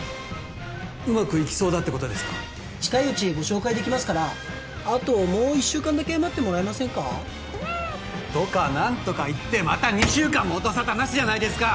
うまくいきそうだってことですか近いうちご紹介できますからあともう１週間だけ待ってもらえませんかとか何とか言ってまた２週間も音沙汰なしじゃないですか！